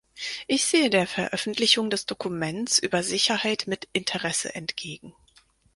Ich sehe der Veröffentlichung des Dokuments über Sicherheit mit Interesse entgegen.